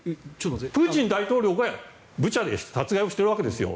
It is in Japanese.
プーチン大統領がブチャで殺害をしているんですよ。